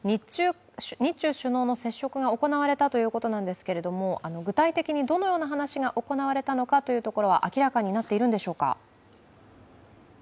日中首脳の接触が行われたということなんですけれども、具体的にどのような話が行われたのかというところは明らかになっているのでしょうか。